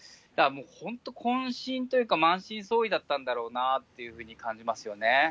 だから本当、こん身というか満身創痍だったんだろうなっていうふうに感じます